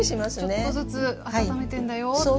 ちょっとずつ温めてるんだよと。